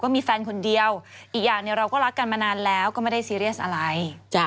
มีแฟนคนเดียวอีกอย่างเราก็รักกันมานานแล้วก็ไม่ได้ซีเรียสอะไร